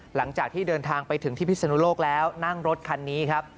หลังจากที่เดินทางไปถึงที่พิศนุโลกแล้วนั่งรถคันนี้ครับ